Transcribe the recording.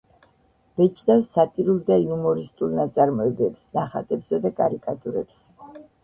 ბეჭდავს სატირულ და იუმორისტულ ნაწარმოებებს, ნახატებსა და კარიკატურებს.